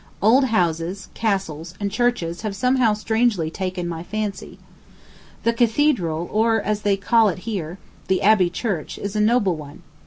Old houses, castles, and churches have somehow strangely taken my fancy. The Cathedral, or, as they here call it, the Abbey Church, is a noble one.